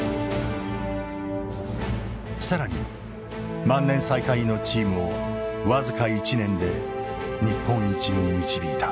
更に万年最下位のチームを僅か１年で日本一に導いた。